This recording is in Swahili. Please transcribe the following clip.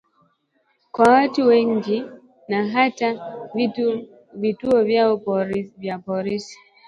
kwa watu wengi na hata vituo vya polisi